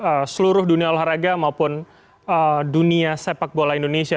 di seluruh dunia olahraga maupun dunia sepak bola indonesia